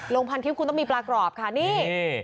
ลงพันคลิปคุณต้องมีปลากรอบค่ะนี่